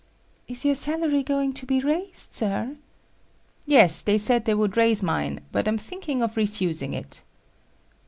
"Is your salary going to be raised, Sir?" "Yes, they said they would raise mine, but I'm thinking of refusing it."